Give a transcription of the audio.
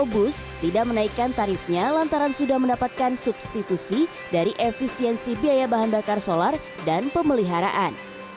dua bus tidak menaikkan tarifnya lantaran sudah mendapatkan substitusi dari efisiensi biaya bahan bakar solar dan pemeliharaan